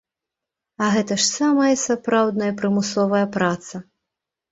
А гэта ж самая сапраўдная прымусовая праца!